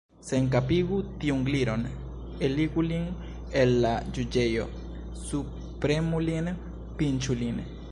Senkapigu tiun Gliron! Eligu lin el la juĝejo! Subpremu lin! Pinĉu lin!